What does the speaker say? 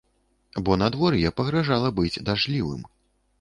Бо надвор'е пагражала быць дажджлівым.